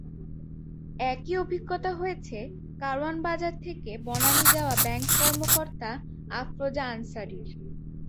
একই অভিজ্ঞতা হয়েছে কারওয়ান বাজার থেকে বনানী যাওয়া ব্যাংক কর্মকর্তা আফরোজা আনসারীর।